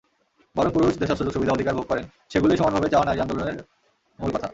বরং পুরুষ যেসব সুযোগ-সুবিধা-অধিকার ভোগ করেন, সেগুলোই সমানভাবে চাওয়া নারীর আন্দোলনের মূলকথা।